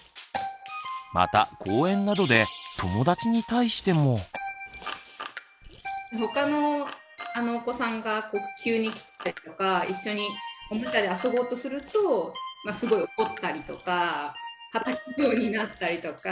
また公園などでほかのお子さんが急に来たりとか一緒におもちゃで遊ぼうとするとすごい怒ったりとかたたくようになったりとか。